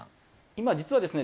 今実はですね